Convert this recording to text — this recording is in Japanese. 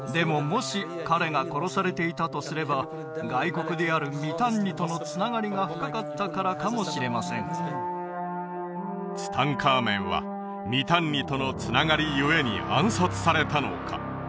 もし彼が殺されていたとすれば外国であるミタンニとのつながりが深かったからかもしれませんツタンカーメンはミタンニとのつながり故に暗殺されたのか？